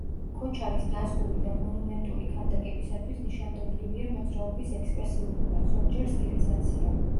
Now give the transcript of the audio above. ქოჩარის დაზგური და მონუმენტური ქანდაკებისათვის ნიშანდობლივია მოძრაობის ექსპრესიულობა, ზოგჯერ სტილიზაცია.